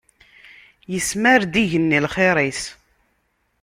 Ismar-d yigenni lxir-is.